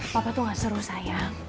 papa tuh gak seru saya